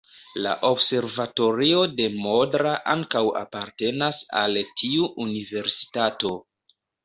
La observatorio de Modra ankaŭ apartenas al tiu universitato.